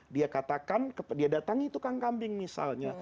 dia katakan dia datang itu kan kambing misalnya